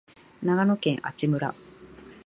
長野県阿智村